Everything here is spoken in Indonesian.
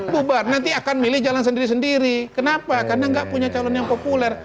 bubar nanti akan milih jalan sendiri sendiri kenapa karena nggak punya calon yang populer